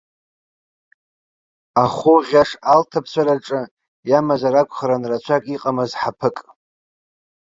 Ахәы ӷьаш алҭаԥҵәараҿы иамазар акәхарын рацәак иҟамыз ҳаԥык.